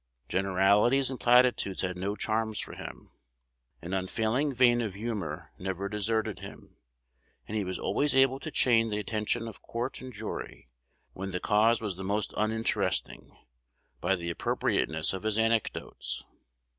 Generalities and platitudes had no charms for him. An unfailing vein of humor never deserted him; and he was always able to chain the attention of court and jury, when the cause was the most uninteresting, by the appropriateness of his anecdotes.